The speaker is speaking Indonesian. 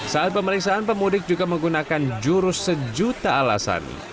saat pemeriksaan pemudik juga menggunakan jurus sejuta alasan